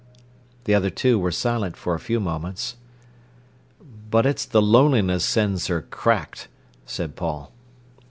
The other two were silent for a few moments. "But it's the loneliness sends her cracked," said Paul.